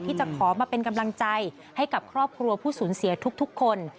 ที่จะขอมาเป็นกำลังใจให้กับครอบครัวผู้สูญเสียทุกคน